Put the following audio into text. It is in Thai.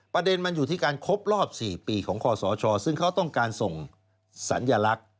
ประเด็นมันอยู่ที่การครบรอบ๔ปีของคอสชซึ่งเขาต้องการส่งสัญลักษณ์